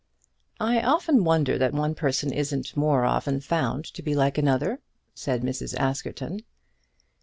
"I often wonder that one person isn't more often found to be like another," said Mrs. Askerton.